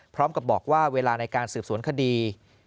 พร้อมกับบอกว่าเวลาในการสืบสวนคดี